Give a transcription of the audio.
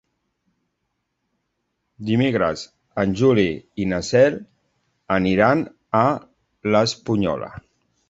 Dimecres en Juli i na Cel aniran a l'Espunyola.